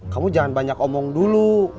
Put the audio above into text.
kamu jangan banyak omong dulu